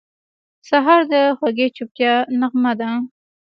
سهار د خوږې چوپتیا نغمه ده.